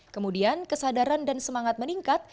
kemudian kesadaran dan semangat meningkat